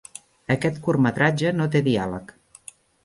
Aquest curtmetratge no té diàleg.